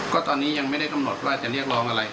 ก็ตอนนี้ยังไม่ได้กำหนดว่าจะเรียกร้องอะไร